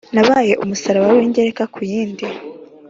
nabaye umusaraba wigereka ku yindi